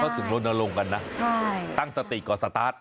เขาถึงลดอารมณ์กันนะตั้งสติก่อสตาร์ท